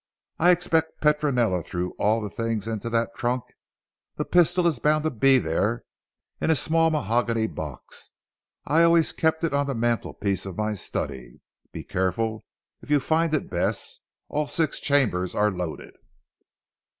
I expect Petronella threw all the things into that trunk. The pistol is bound to be there in a small mahogany box. I always kept it on the mantelpiece of my study. Be careful if you find it Bess. All six chambers are loaded."